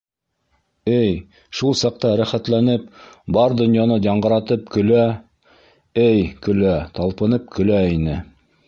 Эй, шул саҡта рәхәтләнеп, бар донъяны яңғыратып көлә, эй, көлә, талпынып көлә ине.